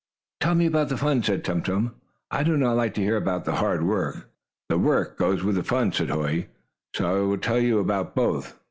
"Tell me about the fun," said Tum Tum. "I do not like to hear about the hard work." "The work goes with the fun," said Hoy, "so I will tell you about both.